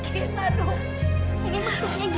kau keluarga susah sekali nont